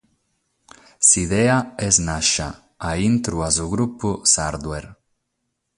S'idea est nàschida in intro a su grupu Sardware.